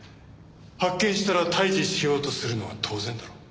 発見したら退治しようとするのは当然だろ。